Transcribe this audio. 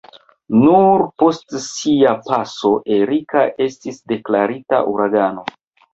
Nur post sia paso Erika estis deklarita uragano.